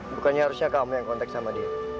bukannya harusnya kamu yang kontak sama dia